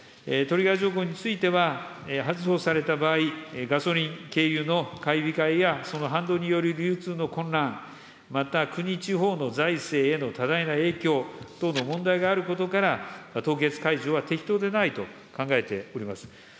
トリガー条項については、発動された場合、ガソリン、軽油の買い控えやその反動による流通の混乱、また国、地方の財政への多大な影響等の問題があることから、凍結解除は適当でないと考えております。